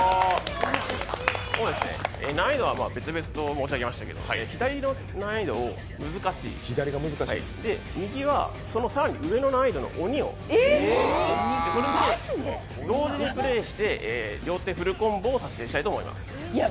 難易度は別々と申し上げましたけども、左の難易度を難しい右はその更に上の難易度の「おに」を、それで同時にプレーして両手フルコンボを達成したいと思います。